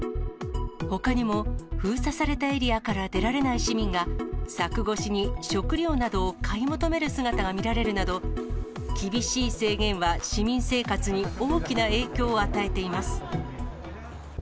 ほかにも、封鎖されたエリアから出られない市民が、柵越しに食料などを買い求める姿が見られるなど、厳しい制限は市民生活に大きな影響を与えています。